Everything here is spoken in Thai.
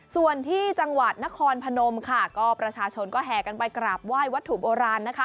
ส่วนที่จังหวัดนครพนมค่ะก็ประชาชนก็แห่กันไปกราบไหว้วัตถุโบราณนะคะ